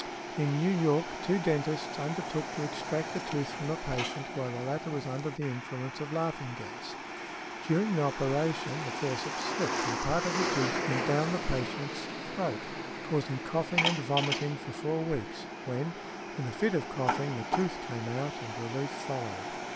In New York, two dentists undertook to extract a tooth from a patient while the latter was under the influence of laughing gas. During the operation the forceps slipped, and part of the tooth went down the patient's throat, causing coughing and vomiting for four weeks, when—in a fit of coughing—the tooth came up, and relief followed.